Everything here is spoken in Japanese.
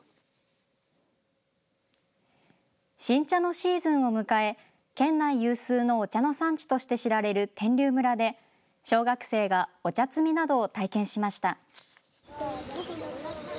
新茶のシーズンを迎え県内有数のお茶の産地として知られる天龍村で小学生がお茶摘みなどを体験しました。